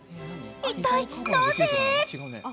一体なぜ？